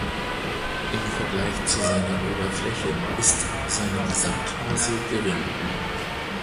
Im Vergleich zu seiner Oberfläche ist seine Gesamtmasse gering.